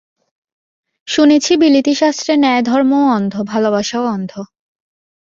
শুনেছি বিলিতি শাস্ত্রে ন্যায়ধর্মও অন্ধ, ভালোবাসাও অন্ধ।